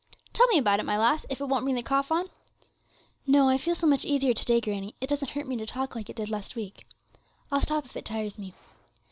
'Tell me about it, my lass, if it won't bring the cough on.' 'No, I feel so much easier to day, granny, it doesn't hurt me to talk like it did last week. I'll stop if it tires me.